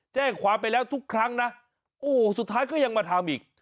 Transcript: แจ้งความไปแล้วทุกครั้งนะโอ้โหสุดท้ายก็ยังมาทำอีก